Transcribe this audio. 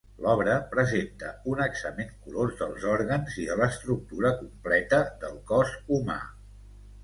L'obra presenta un examen curós dels òrgans i de l'estructura completa del cos humà.